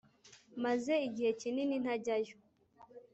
Maze igihe kinini ntajyayo